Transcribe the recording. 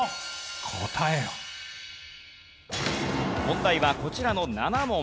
問題はこちらの７問。